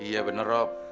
iya bener rob